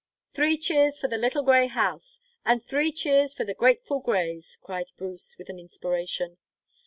"Three cheers for the little grey house, and three cheers for the Grateful Greys!" cried Bruce, with an inspiration.